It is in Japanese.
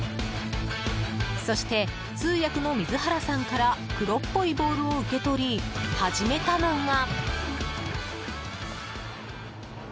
そして、通訳の水原さんから黒っぽいボールを受け取り始めたのが。